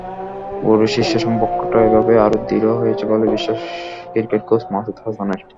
গুরু-শিষ্যের সম্পর্কটা এভাবেই আরও দৃঢ় হয়েছে বলেই বিশ্বাস ক্রিকেট কোচ মাসুদ হাসানের।